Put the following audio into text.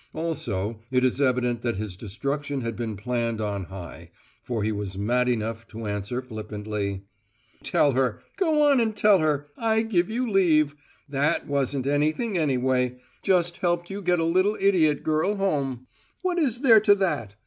Also, it is evident that his destruction had been planned on high, for he was mad enough to answer flippantly: "Tell her! Go on and tell her I give you leaf! that wasn't anything anyway just helped you get a little idiot girl home. What is there to that?